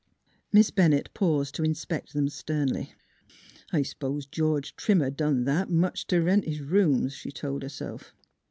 Miss Bennett paused to inspect them sternly: " I s'pose George Trimmer done that much t' rent his rooms," slie told herself.